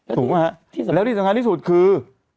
ถูกไหมฮะแล้วที่สำคัญที่สุดคือ